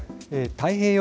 太平洋